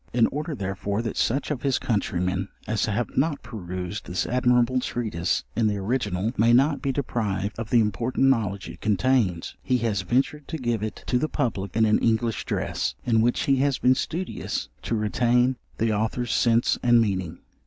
—In order, therefore, that such of his countrymen as have not perused this admirable treatise in the original, may not be deprived of the important knowledge it contains, he has ventured to give it to the public in an English dress, in which he has been studious to retain the Author's sense and meaning.